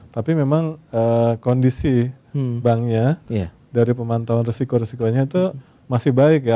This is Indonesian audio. tapi memang kondisi banknya dari pemantauan risiko resikonya itu masih baik ya